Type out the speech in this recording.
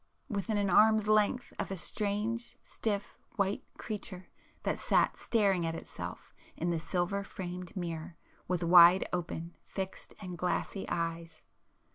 within an arm's length of a strange, stiff white creature that sat staring at itself in the silver framed mirror with wide open, fixed and glassy eyes!